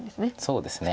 そうですね。